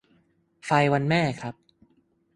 ไฟวันแม่ครับ